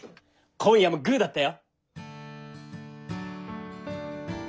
今夜もグーだったよ。